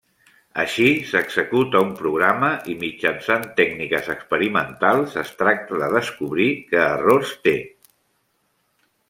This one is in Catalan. Així s'executa un programa i mitjançant tècniques experimentals es tracta de descobrir que errors té.